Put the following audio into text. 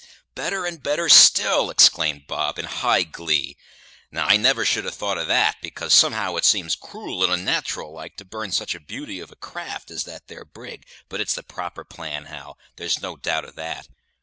"Better and better still!" exclaimed Bob, in high glee. "Now, I never should ha' thought of that, because, somehow, it seems cruel and unnat'ral like to burn sich a beauty of a craft as that there brig; but it's the proper plan, Hal there's no doubt of that.